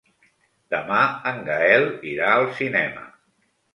Demà en Gaël irà al cinema.